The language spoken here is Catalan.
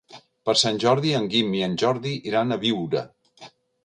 Per Sant Jordi en Guim i en Jordi iran a Biure.